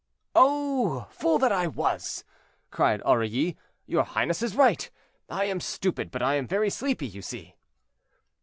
"Oh! fool that I was," cried Aurilly. "Your highness is right: I am stupid; but I am very sleepy, you see."